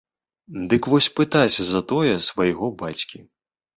Дык вось пытайся затое свайго бацькі!